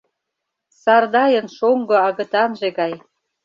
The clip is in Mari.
Сардайын шоҥго агытанже гай.